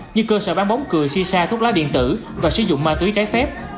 như cơ sở bán bóng cười xì xa thuốc lá điện tử và sử dụng ma túy trái phép